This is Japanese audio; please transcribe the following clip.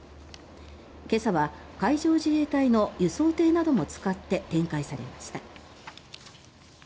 今朝は海上自衛隊の輸送艇なども使って展開されました。